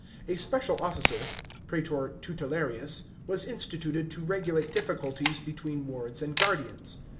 A special officer (pr&tor tutelarius) was instituted to regulate difficulties between wards and guardians.